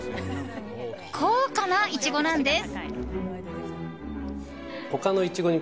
高価なイチゴなんです。